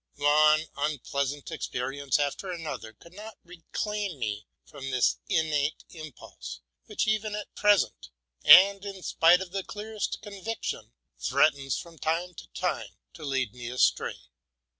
One unpleasant experience after another could not reclaim me from this innate impulse, which, even at present, and in spite of the clearest convic tion, threatens from time to time to lead me astray.